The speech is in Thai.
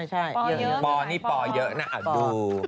ปอเยอะเหมือนกันปอนี่ปอเยอะนะดู